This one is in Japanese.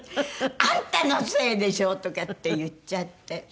「あんたのせいでしょ！」とかって言っちゃって。